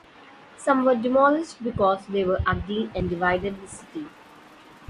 Some were demolished because they were ugly and divided the city.